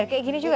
kayak gini juga